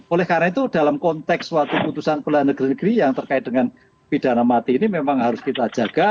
oleh karena itu dalam konteks suatu putusan pengadilan negeri negeri yang terkait dengan pidana mati ini memang harus kita jaga